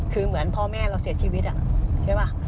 คือเหมือนพ่อแม่เราเสียชีวิตใช่ป่ะ